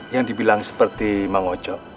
yang dibilang seperti bang ojo